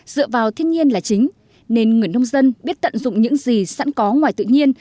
dựa vào thiên nhiên là chính nên người nông dân biết tận dụng những gì sẵn có ngoài tự nhiên